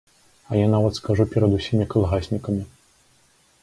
А я нават скажу перад усімі калгаснікамі.